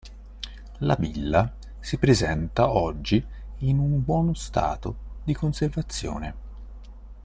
La villa si presenta oggi in un buono stato di conservazione.